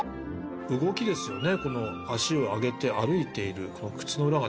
動きですよね。